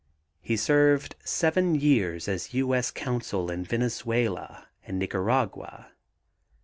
He served seven years as U. S. Consul in Venezuela and Nicaragua.